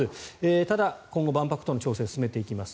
ただ、今後、万博との調整を進めていきます。